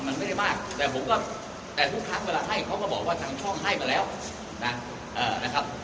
มันไม่ได้มากแต่ผมก็แต่ทุกครั้งเวลาให้เขาก็บอกว่าทางช่องให้มาแล้วนะครับ